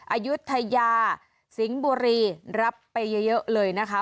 อายุทยาสิงห์บุรีรับไปเยอะเลยนะคะ